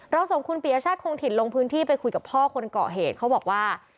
ส่งคุณปียชาติคงถิ่นลงพื้นที่ไปคุยกับพ่อคนเกาะเหตุเขาบอกว่า